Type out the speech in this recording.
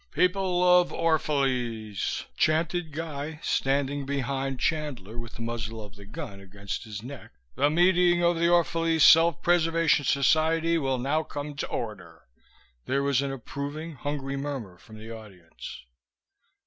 "People of Orphalese," chanted Guy, standing behind Chandler with the muzzle of the gun against his neck, "the meeting of the Orphalese Self Preservation Society will now come to order." There was an approving, hungry murmur from the audience.